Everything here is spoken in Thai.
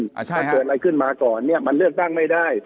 ถ้าเกิดอะไรขึ้นมาก่อนมันเลือกตั้งไม่ได้